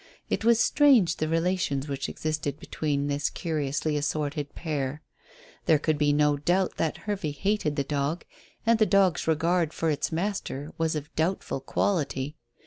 It was strange the relations which existed between this curiously assorted pair. There could be no doubt that Hervey hated the dog, and the dog's regard for its master was of doubtful quality.